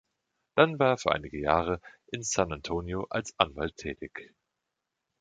Dann war er für einige Jahre in San Antonio als Anwalt tätig.